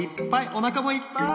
おなかもいっぱい！